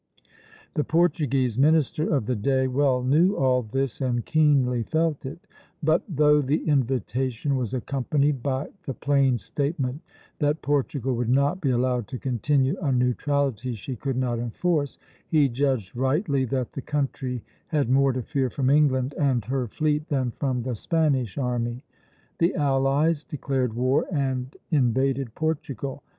The Portuguese minister of the day well knew all this, and keenly felt it; but though the invitation was accompanied by the plain statement that Portugal would not be allowed to continue a neutrality she could not enforce, he judged rightly that the country had more to fear from England and her fleet than from the Spanish army. The allies declared war and invaded Portugal.